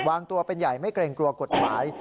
วางตัวเป็นใหญ่ไม่เกรงกลัวกฎหมาย